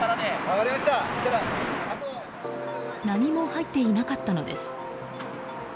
何も入っていなかったのです。